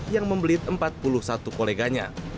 yang membelit empat puluh satu koleganya